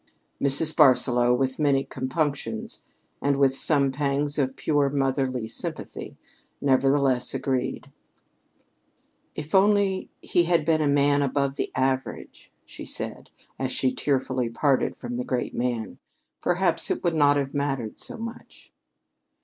Mrs. Barsaloux, with many compunctions, and with some pangs of pure motherly sympathy, nevertheless agreed. "If only he had been a man above the average," she said, as she tearfully parted from the great man, "perhaps it would not have mattered so much."